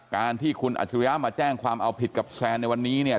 การที่คุณอัจฉริยะมาแจ้งความเอาผิดกับแซนในวันนี้เนี่ย